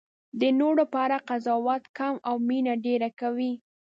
د نورو په اړه قضاوت کم او مینه ډېره کوئ.